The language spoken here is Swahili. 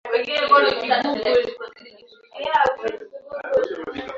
Lakini ujuzi wake na wepesi pia maono na jinsi alivyodhibiti mpira